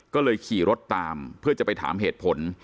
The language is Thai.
ก็เลยขี่รถตามเพื่อจะไปถามเหตุผล